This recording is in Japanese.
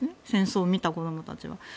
戦争を見た子供たちは。